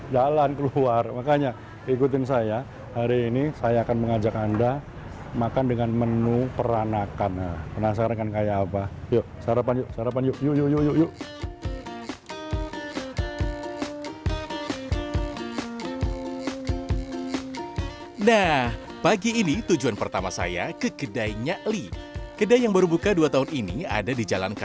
jalan keluar makanya ikutin saya hari ini saya akan mengajak anda makan dengan menu peranakan penasaran kayak apaimme sarapan yuk sarapan yuk yuk yuk yuk yuk vagi ini tujuan pertama saya ke kedai nyali kedai yang baru buka dua tahun ini ada di jalurulukuk